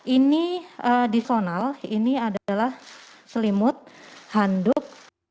ini disonal ini adalah selimut handuk